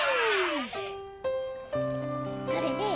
それねえ